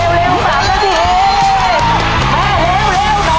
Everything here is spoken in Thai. เร็วสายแล้วสิแม่เร็วน้องมาแล้ว